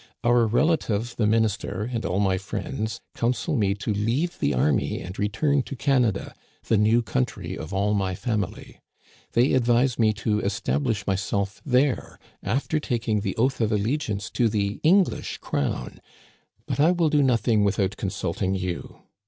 Our relative the minister and all my friends counsel me to leave the army and return to Canada, the new country of all my family. They advise me to establish myself there, after taking the oath of allegiance to the English crown ; but I will do nothing without consulting you.